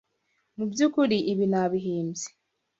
Mubyukuri, ibi nabihimbye.